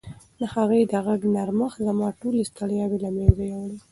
د هغې د غږ نرمښت زما ټولې ستړیاوې له منځه یووړې.